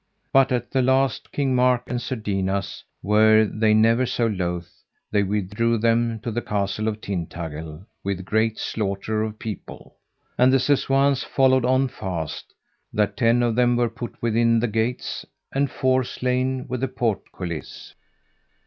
But at the last King Mark and Sir Dinas, were they never so loath, they withdrew them to the Castle of Tintagil with great slaughter of people; and the Sessoins followed on fast, that ten of them were put within the gates and four slain with the portcullis.